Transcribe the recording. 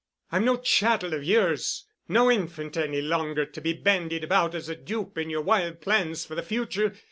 "I'm no chattel of yours, no infant any longer, to be bandied about as a dupe in your wild plans for the future.